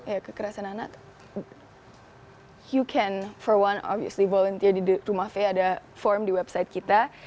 ya kekerasan anak you can for one of usly volunteer di rumah fair ada form di website kita